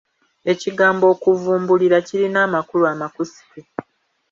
Ekigambo okuvumbulira kirina amakulu amakusike.